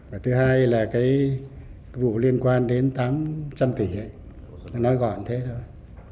và thứ hai là cái vụ liên quan đến tám trăm linh tỷ nói gọn thế thôi